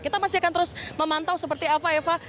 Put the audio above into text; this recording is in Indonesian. kita masih akan terus memantau seperti apa eva